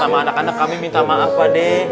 sama anak anak kami minta maaf pak de